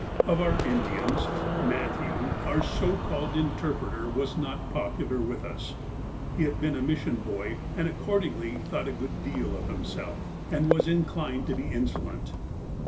Of our Indians, Matthew, our so called interpreter, was not popular with us. He had been a mission boy, and accordingly thought a good deal of himself, and was inclined to be insolent.